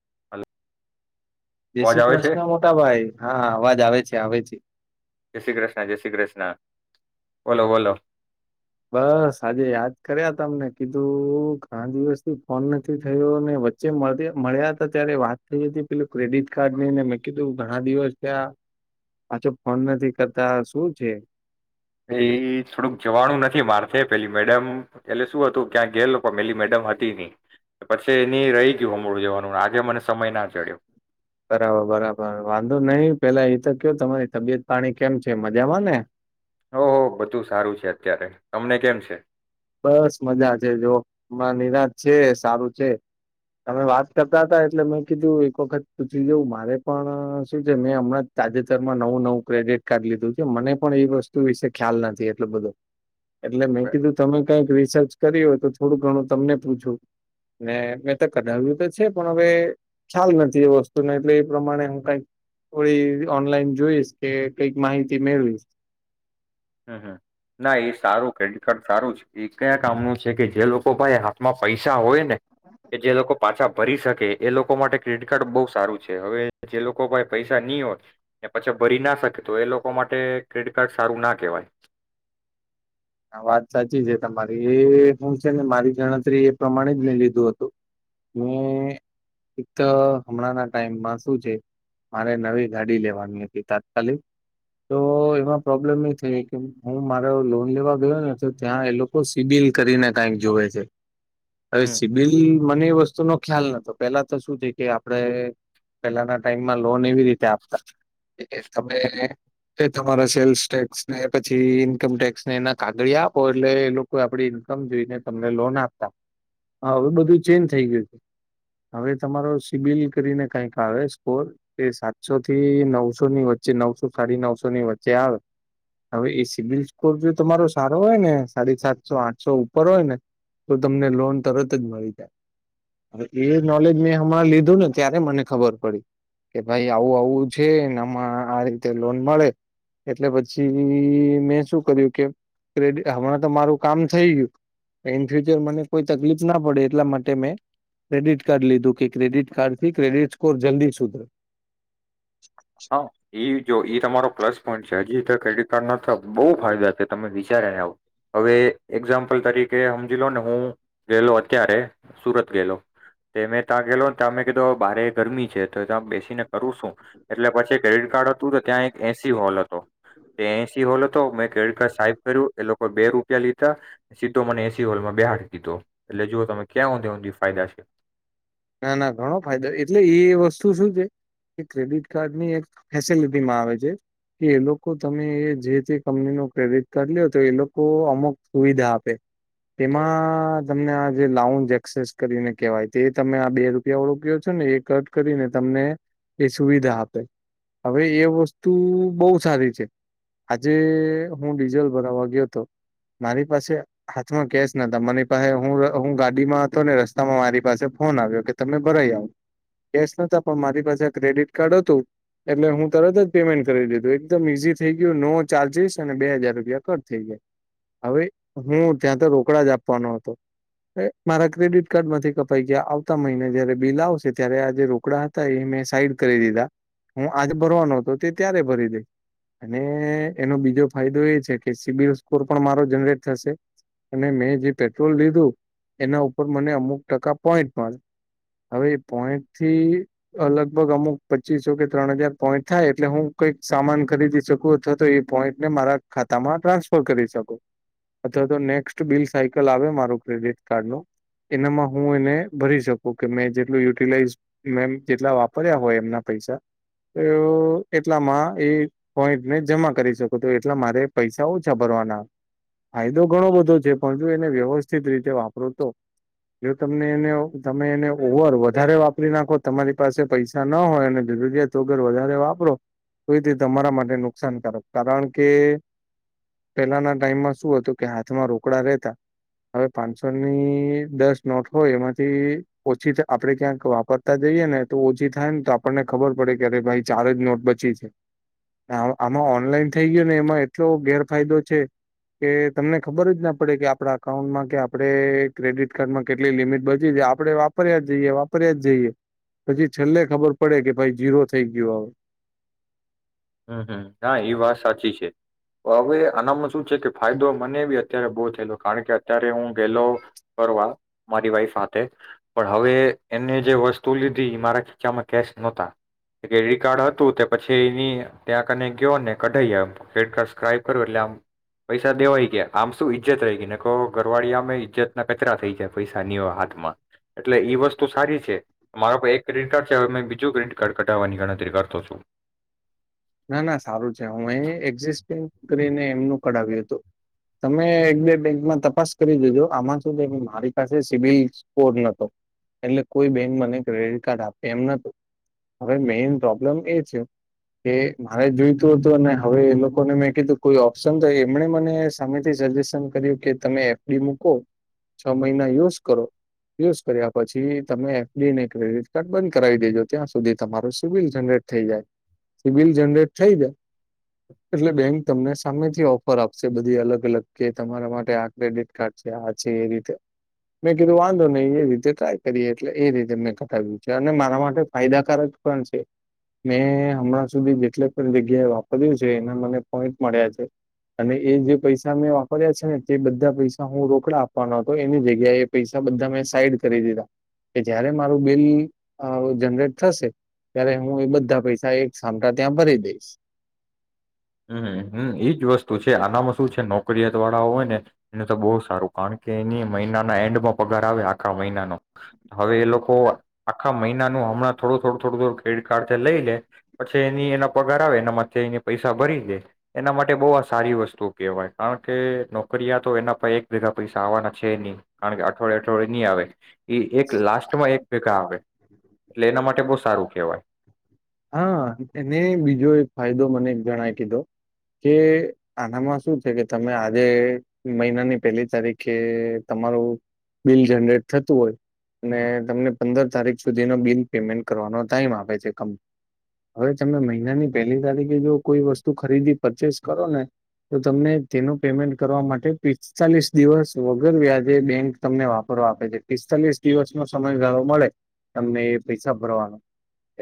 [inaudible] જય અવાજ શ્રી આવે છે કૃષ્ણ જય મોટા ભાઈ. હા અવાજ આવે છે. આવે છે. જય શ્રી કૃષ્ણ. જય શ્રી કૃષ્ણ. બોલો બોલો. બસ આજે યાદ કર્યા તમને કીધું ઘણા દિવસ થી ફોન નથી થયો ને વચ્ચે મળ્યા હતા ત્યારે વાત થઈ હતી પેલું ક્રેડિટ કાર્ડ નઈ ને મેં કીધું ઘણા દિવસ ત્યાં પાછો ફોન નથી કરતા શું છે? એ થોડુંક જવાનું નથી મારથે પેલી મેડમ પેલે શું હતું ક્યાં ગયેલો પણ પેલી મેડમ હતી નહિ પછી એની રહી ગયું. અું જવાનું આજે મને સમય ના ચડ્યો. બરાબર બરાબર વાંધો નહિ. પેલા એ તો કયો તમારી તબિયત પાણી કેમ છે? મજામાં ને? ઓહ બધું સારું છે. અત્યારે તમને કેમ છે? બસ મજા છે જો માં નિરાશ છે. સારું છે. તમે વાત કરતા હતા એટલે મેં કીધું એક વખત પૂછી જવું મારે પણ શું છે મેં હમણાં તાજેતરમાં નવું નવું ક્રેડિટ કાર્ડ લીધું છે. મને પણ એ વસ્તુ વિશે ખ્યાલ નથી એટલ બધો એટલે મેં બ- કીધું. તમે કઈક રિસર્ચ કરી હો તો થોડું ઘણું તમને પૂછું ને મેં તો કઢાવ્યું તો છે પણ હવે ખ્યાલ નથી એ વસ્તુને એટલે એ પ્રમાણે હું કઈક થોડી ઓનલાઈન જોઈશ કે કઈક માહિતી મેળવીશ. હમ ના એ સારું ક્રેડિટ કાર્ડ સારું જ એ કયા કામનું છે કે જે લોકો ભાઈ હાથમાં પૈસા હોય ને કે જે લોકો પાછા ભરી શકે એ લોકો માટે ક્રેડિટ કાર્ડ બહુ સારું છે. હવે જે લોકો ભાઈ પૈસા નહીં હોય એ પછી ભરી ના શકે તો એ લોકો માટે ક્રેડિટ કાર્ડ સારું ના [inaudible] હ વાત સાચી છે તમારી એ હું છે ને મારી ગણતરી એ પ્રમાણે જ મે લીધું હતું. મે એક તો હમણાં ના ટાઈમમાં શું છે મારે નવી ગાડી લેવાની હતી તાત્કાલિક. તો એમાં પ્રોબ્લેમ એ થઈ કે હું મારો લોન લેવા ત્યાં એ લોકો સિબિલ કરીને કાઈક જોવે છે. હવે હમ સિબિલ મને એ વસ્તુ નો ખ્યાલ નતો. પેલા તો શું થ કે આપણે પેલાના ટાઈમમાં લોન એવી રીતે આપતા તમે તમારા સેલ્સ ટેને પછી ઈન્મ ટેક્સને એના. કાગડી યા આપો એટલે એ લોકો આપડી ઈન્કમ જોઈને તમને લોન આપતા. હવે બધું ચેન્જ થઈ ગયું છે. હવે તમારો સિબિલ કરીને કંઈક આવે સ્કોર એ સાતસો થી નવસૌ ની વચ્ચે નવસો સાડી નવસોની વચ્ચે આવે. હવે એ સિબિલ સ્કોર જો તમારો. સારો હોય ને સાડી સાતસો આઠસો ઉપર હોય ને તો તમને લોન તરત જ મળી જાય. એ નોલેજ મેં હમણાં લીધું ને ત્યારે મને ખબર પડી. કે ભાઈ આવું આવું છે ને આમાં આ રીતે લોન મળે. એટલે પછી મેં શું કર્યું કે ક્રેડિટ હમણાં તો મારું કામ થઈ ગયું. ઈન ફ્યુચર મને કોઈ તકલીફ ના પડે એટલા માટે મેં ક્રેડિટ કાર્ડ લીધું કે ક્રેડિટ કાર્ડ થી ક્રેડિટ સ્કોર જલ્દી સુધરે. [unintelligible] [unintelligible] એટલે પછી ક્રેડિટ કાર્ડ હતું તો ત્યાં એક એસી હોલ હતો. એ એસી હોલ હતો, મેં ક્રેડિટ કાર્ડ સાઈપ કર્યું એ લોકો બે રૂપિયા લીધા સીધો મને એસી હોલમાં બેહાડ દીધો એટલે જુઓ તમે ક્યાંંધે ઊંધી ફાયદા છે. ના ના ઘણો ફાયદો. એટલે એ વસ્તુ શું છે એ ક્રેડિટ કાર્ડ ની એક ફેસિલિટીમાં આવે છે. કે એ લોકો તમે જે તે કંપની ન ક્રેડિટ કાર્ડ લ તો એ લોકો અમુક સુવિધા આપે તેમાં તમને આ જે લોએક્સેસ કરીને કહેવાય તે તમે આ બે રૂપિયા વાળો કયો છો ને એ કટ કરીને તમને એ સુવિધા આપે હવે એ વસ્તુ બહુ સારી છે. આજે હું ડીઝલ ભરાવા ગયો હતો, મારી પાસે હાથમાં કેશ ના હતા. મારી પાસે હું હું ગાડીમાં હતો ને રસ્તામાં મારી પાસે ફોન આવ્યો કે તમે ભરાઈ આવ. કેશ નતા પણ મારી પાસે ક્રેડિટ કાર્ડ હતું એટલે હું તરત જ પેમેન્ટ કરી દીધું એકદમ ઈઝી થઈ ગયું નો ચાર્જિસ અને બે હજાર રૂપિયા કટ થઈ ગયા હવે હું ત્યાં તો રોકડા જ આપવાનો હતો મારા ક્રેડિટ કાર્ડમાંથી કપાઈ આવતા મહિને જયારે બિલ આવશે ત્યારે આ જે રોકડા હતા એ મેં સાઈડ કરી દીધા હું આજ ભરવાનો હતો તે ત્યારે ભરી દઈ અને એનો બીજો ફાયદો એ છે કે સીબીલ સ્કોર પણ મારો જનરેટ થશે અને મેં જે પેટ્રોલ લીધું એના ઉપર મને અમુક ટકા પોઈન્ટ હવે એ પોઈન્ટ થી લગભગ અમુક પચીસો કે ત્રણ હજાર પોઈન્ટ થાય એટલે હું કઈક સામાન ખરીદી શકું અથવા તો એ પોઈન્ટને મારા ખાતામાં ટ્રાન્સફર કરી શકું. અથવા તો નેક્સ્ટ બિલ સાયકલ આવે મારું ક્રેડિટ કાર્ડ ન એનામાં હું એને. ભરી શકુ કે મેં જેટલું યુટિલાઈઝ મે જેટલા વાપર્યા હોય એમના પૈસા તો એટલામાં એ પોઈન્ટને જમા કરી શકો તો એટલા મારે પૈસા ઓછા ભરવાના. ફાયદો ઘણો બધો છે. પણ જો એને વ્યવસ્થિત રીતે વાપરો તો. જો તમને તમે એને ઓવર વધારે વાપરી નાખો તમારી પાસે પૈસા ન હોય અને જરૂરિયાત વગર વધારે વાપરો તો એતે તમારા માટે નુકસાનકારક. કારણ કે પેલાના ટાઈમમાં શું હતું કે હાથમાં રોકડા રહેતા. હવે પાંચસો ની દસ નોટ હોય એમાંથી ઓછી આપડે ક્યાંક વાપરતા જઈએ ને તો ઓછી થાય ને તો આપણને ખબર પડે કે અરે ભાઈ ચાર જ નોટ બચી છે. આમાં ઓનલાઈન થઈ ગયો ને એમાં એટલો ગેરફાયદો છે કે તમને ખબર જ ના પડે કે આપડા અકાઉન્ટમાં કે આપણે ક્રેડિટ કાર્ડમાં કેટલા. એટલી લિમિટ બચી જાય આપડે વાપર્યા જઈએ વાપર્યા જઈએ પછી છેલ્લે ખબર પડે કે ભાઈ જીરો થઈ ગયો હવે. હમ હ હા એ વાત સાચી છે. હવે આનામાં શું છે કે ફાયદો મને બી અત્યારે બહુ થયેલો કારણ કે અત્યારે હું ગેલો ફરવા મારી વાઈફ સાથે પણ હવે ત્યાં કને ગયો ને કઢાઇ આવ ક્રેડિટ કાર્ડ સ્વાઈપ કર એટલે આમ પૈસા દેવાઈ ગયા આમ શું ઈજ્જત રહી ગઈ ને કહો ઘરવાળી હામે ઈજ્જત ના કચરા થઈ જાય પૈસા ની હોય હાથમાં. એટલે ઈ વસ્તુ સારી છે મારામાં એક ક્રેડિટ કાર્ડ છે હ બીજું ક્રેડિટ કાર્ડ કઢાવવાની ગણતરી રાખું છું. ના ના સારું છે. હ એક્ઝિસ્ટિંગ કરીને એમનું કઢાવ્યું હતું. તમે એક બે બેંકમાં તપાસ કરી દીધો આમાં શુ છે મારી પાસે સિબિલ સ્કોર નતો એટલે કોઈ બેંક મને ક્રેડિટ કાર્ડ આપે એમ નતું હવે મેન પ્રોબ્લેમ એ છે. એ મારે જોઈતું હતું. અને હવે એ લોકોને મેં કીધું કોઈ ઓપ્શન તો એમણે મને સામેથી સજેશન કર્યું કે તમે એફડી મૂકો છ મહિના યુઝ કરો યુઝ કર્યા પછી તમે એફડીને ક્રેડિટ કાર્ડ બંધ કરાવી દેજો ત્યાં સુધી તમારું સબિલ જનરેટ થઈ જાય. સીબીલ જનરેટ થઈ જાય, એટલે બેંક તમને સામેથી ઓફર આપશે બધી અલગ અલગ કે તમારા માટે આ ક્રેડિટ કાર્ડ છે. આ છે એ રીતે મેં કીધું વાંધો નહી એ રીતે ટ્રાય કરીએ એટલે એ રીતે મેં કઢાવ્યું છે. અને મારા માટે ફાયદાકારક પણ છે. મેં હમણાં મેં જેટલા પણ જગ્યાએ વાપર્યું છે એના મને પોઈન્ટ મળ્યા છે અને એ જે પૈસા મેં વાપર્યા છે ને જે બધા પૈસા હું રોકડા આપવાના હતો એની જગ્યાએ એ પૈસા બધા મેં સાઈડ કરી દીધા કે જયારે મારું બિલ જનરેટ થશે ત્યારે હું એ બધા પૈસા સામટા ત્યાં ભરી દઈશ. હમ હમ એ જ વસ્તુ છે આનામાં શું છે નોકરીિયાત વાળા હોય ને એને તો બહુ સારું કારણ કે એની મહિનાના એન્ડમાં પગાર આવે આખા મહિનાનો હવે એ લોકો આખા મહિનાનું હમણાં થોડું થોડું થોડું થોડું ક્રેડિટ કાર્ડથી લઈ લે પછી એની એના પગાર આવે એનામાં એ પૈસા પૈસા ભરી દે એના માટે બઉ આ સારી વસ્તુ કેવાય કારણ કે નોકરિયાતો એના પાહે એક ભેગા પૈસા આવવાના છે નહી કારણ કે અઠવાડિયે અઠવાડિયે નહી આવે. એક લાસ્ટમાં એક ભેગા આવે એટલે એના માટે બસ સારું કહેવાય. હા એને બીજો એક ફાયદો મને જણાઇ કીધો કે આનામાં શું છે કે તમે આજે મહિનાની પહેલી તારીખે તમારું બિલ જનરેટ થતું હોય અને તમને પંદર તારીખ સુધીનો બિલ પેમેન્ટ કરવાનો ટાઈમ આપે છે કં હવે તમે મહિનાની પહેલી તારીખે જો કોઈ વસ્તુ ખરીદી પરચેસ કરો ને તો તમને તેનું પેમેન્ટ કરવા માટે પિસ્તાલીસ દિવસ વગર વ્યાજે બેંક તમને વાપરવા આપે છે. પિસ્તાલીસ દિવસનો સમયગાળો મળે તમને એ પૈસા ભરવાનો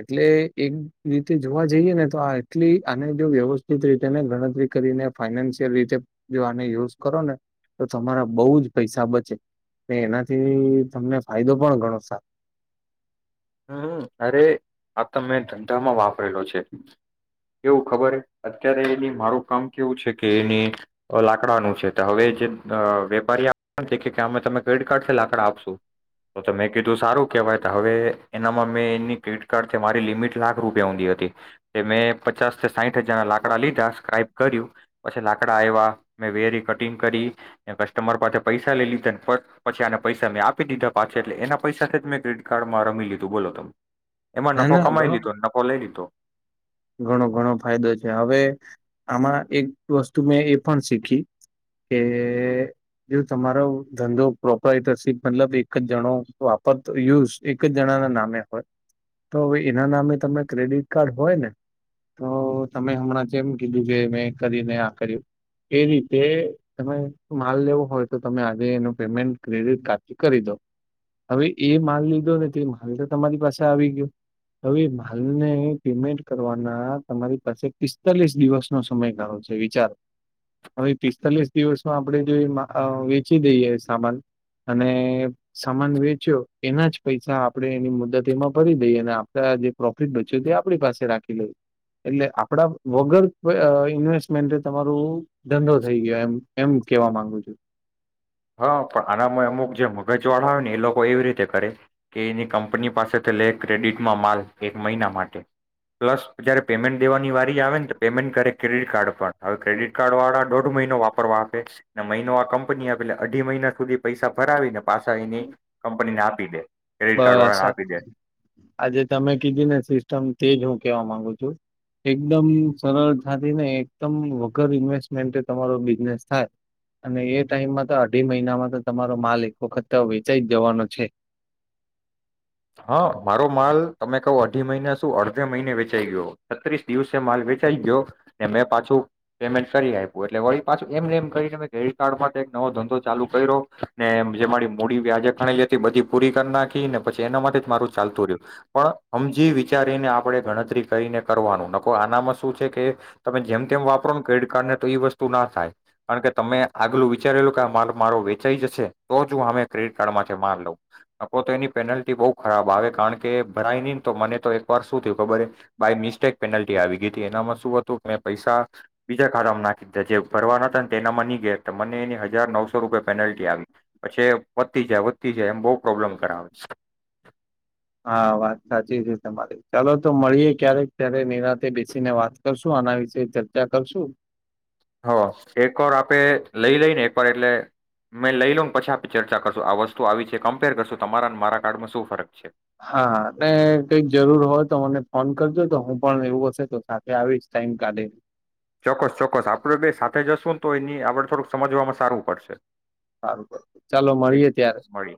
એટલે એક રીતે જોવા જઈએ ને તો આ એટલી આને જો વ્યવસ્થિત રીતે ગણતરી કરીને ફાઈનાન્શિયલ રીતે જો આને યુઝ કરો ને તો તમારા બહુ જ પૈસા બચે એનાથી તમને ફાયદો પણ ગણો સારો હમ અરે આ તમે ધંધામાં વાપરેલો છે કેવું ખબર અત્યારે એની મારું કામ કેવું છે કે એની લાકડાનું છે તો હવે જે વેપારી આપ અમે તમે ક્રેડિટ કાર્ડથી લાકડા આપશું તો તમે કીધું સારું કેહેવાય તો હવે એનામાં મેં એની ક્રેડિટ કાર્ડ છે મારી લિમિટ લાખ રૂપિયા ઊંધી હતી. એ મેં પચાસ થી સાહીઠ હજારના લાકડા લીધા સ્ક્રાઇપ કર્યું, પછી લાકડા આવ્યા મેં વેરી કટિંગ કરી કસ્ટમર પાસે પૈસા લઈ લીધા પછી આને પૈસા મેં આપી દીધા પાછા એટલે એના પૈસાથી જ મેં ક્રેડિટ કાર્ડમાં રમી લીધું. તો બોલો તમેં એમાં ના નફો ના કમાઈ ઘણો લીધો, નફો લઈ લીધો. ઘણો ઘણો ફાયદો છે. હવે આમાં એક વસ્તુ મેં એ પણ શીખી કે જો તમારો ધંધો પ્રોપટરશીપ મતલબ એક જ જણો વાપરતો યુઝ એક જ જણાના નામે હોય તો હવે એના નામે તમે ક્રેડિટ કાર્ડ હોય ને તો તમે હમણાં એમ કીધું કે મેં કરી ને આ કર્યું એ રીતે તમે માલ લેવો હોય તો તમે આજે એનું પેમેન્ટ ક્રેડિટ કાર્ડ થી કરી દો, હવે એ માલ લીધો ને તે માલ તો તમારી પાસે આવી ગયો હવે માલ ને પેમેન્ટ કરવાના તમારી પાસે પિસ્તાલીસ દિવસનો સમયગાળો છે વિચારો. હવે પિસ્તાલીસ દિવસમાં આપણે જો વેચી દઈએ સામાન અને સામાન વેચ્યો એના જ પૈસા આપણે એની મુદત એમાં ભરી દઈએ અને આપડા જે પ્રોફિટ બચ્યો તે આપણી પાસે રાખ લ એટલે આપડા વગર ઇન્વેસ્ટમેન્ટે તમારું ધંધો થઈ ગયો એમ એમ કેવા માંગુ છું. હા પણ આનામાં અમુક જે મગજ વાળા આવે ને એ લોકો એવી રીતે કરે કે એની કંપની પાસેથી લે ક્રેડિટમાં માલ એક મહિના માટે પ્લસ જયારે પેમેન્ટ દેવાની વારી આવે ને તો પેમેન્ટ કરે ક્રેડિટ કાર્ડ પણ હવે ક્રેડિટ વાળા દોઢ મહિનો વાપરવા મહિનો આ કંપની એટલે અઢી મહિના સુધી પૈસા ભરાવીને પાસા આવીને કંપની ના [unintelligible] બસ આજે તમે કીધી ને સિસ્ટમ તેજ હું કેવા માંગુ છું એકદમ સરળતાથી ને એકદમ વગર ઇન્વેસ્ટમેન્ટે તમારો બિઝનેસ થાય અને એ ટાઈમમાં તો અઢી મહિનામાં તો તમારો માલ એક વખત વેચાઈ જ જવાનો છે. હા મારો માલ તમને કહું અઢી મહિના શું અડધે મહિને વેચાઈ ગયો. છત્રીસ દિવસે માલ વેચાઈ ગયો ને મેં પાછું પેમેન્ટ કરી આપ્યું એટલે વળી પાછું એમને એમ કરીને ક્રેડિટ કાર્ડ માટે નવો ધંધો ચાલુ કર્યો ને જે મારી મૂડી વ્યાજે પડેલી હતી બધી પૂરી કરી નાખી ને પછી એના માંથી જ મારું ચાલતું રહ્યું પણ હમજી વિચારીને આપણે ગણતરી કરીને કરવાનું નકો આનામાં શું છે કે તમે જેમ તેમ વાપરો ને ક્રેડિટ કાર્ડને તો એ વસ્તુ ના થાય. કારણ કે તમે આગલું વિચારેલું કે આ માલ મારો વેચાઈ જશે તો જ હું અમે ક્રેડિટ કાર્ડમાંથી માલ લઉં નકો તો એની પેનલ્ટી બહુ ખરાબ આવે કારણ કે ભરાય નહીં ને તો મને તો એકવાર શું થયું ખબર બાય મિસ્ટેક પેનલ્ટી આવી ગઈ હતી એનામાં શું હતું મેં પૈસા બીજા ખાતામાં નાખી દીધા જે ભરવાના હતા ને તે એનામાં નહીં ગયા હતા મને એની હજાર નવસો રૂપિયા પેનલ્ટી આવી, પછી વધતી જાય વધતી જાય એમ બહુ પ્રોબ્લમ કરાવે. સ હા વાત સાચી છે તમારી ચાલો તો મળીએે ક્યારેક ત્યારે નિરાતે બેસીને વાત કરશું આના વિશે ચર્ચા કરશું. હ એક વાર આપે લઈ લઈ ને એકવાર એટલે મેં લઈ લઉ પછી આપે ચર્ચા કરશું આ વસ્તુ આવી છે કમ્પેર કરશું તમારા મારા કાર્ડમાં શું ફરક છે. હા અને કઈક જરૂર હોય તો મને ફોન કરજો તો હું પણ એવું હશે તો સાથે આવીશ ટાઈમ કાઢી ને ચોક્કસ ચોક્કસ આપડે બે સાથે જશુંને તોય ની આપડે થોડુંક સમજવામાં સારું પડશે. સારું ચાલો ઠીક મળીએે ત્યારે. મળીએ